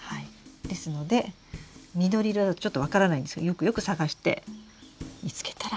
ですので緑色だとちょっと分からないんですけどよくよく探して見つけたらさよならしてください。